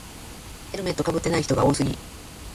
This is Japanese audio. ヘルメットかぶってない人が多すぎ